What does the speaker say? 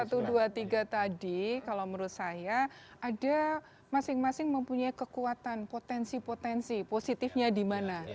karena satu dua tiga tadi kalau menurut saya ada masing masing mempunyai kekuatan potensi potensi positifnya di mana